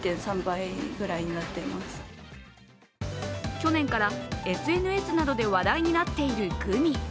去年からＳＮＳなどで話題になっているグミ。